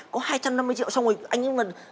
có hai trăm năm mươi triệu xong rồi anh cứ mà